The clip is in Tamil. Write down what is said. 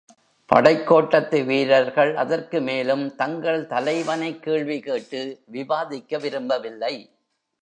படைக்கோட்டத்து வீரர்கள் அதற்கு மேலும் தங்கள் தலைவனைக் கேள்வி கேட்டு விவாதிக்க விரும்பவில்லை.